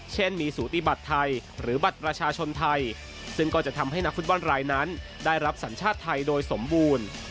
เช่นมีสูติบัติไทยหรือบัตรประชาชนไทยซึ่งก็จะทำให้นักฟุตบอลรายนั้นได้รับสัญชาติไทยโดยสมบูรณ์